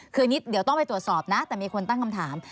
คืออันนี้เดี๋ยวต้องไปตรวจสอบนะแต่มีคนตั้งคำถาม